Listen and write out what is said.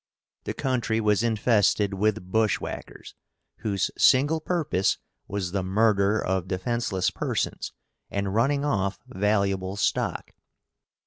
The country was infested with bushwhackers, whose single purpose was the murder of defenseless persons and running off valuable stock.